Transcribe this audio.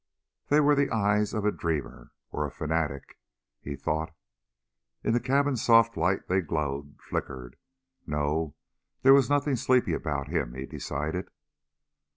They were the eyes of a dreamer ... or a fanatic, he thought. In the cabin's soft light they glowed, flickered. No, there was nothing sleepy about him, he decided.